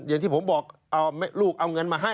อย่างที่ผมบอกเอาลูกเอาเงินมาให้